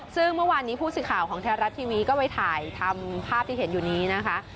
ซึ่งเมื่อวานนี้ผู้สื่อข่าวของไทยรัฐทีวีก็ไปถ่ายทำภาพที่เห็นอยู่นี้นะคะ